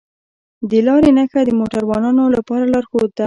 د لارې نښه د موټروانو لپاره لارښود ده.